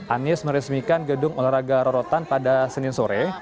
anies meresmikan gedung olahraga rorotan pada senin sore